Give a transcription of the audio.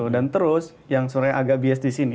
dan terus yang sebenarnya agak bias di sini